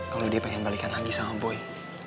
kalau dia pengen balikan lagi sama boy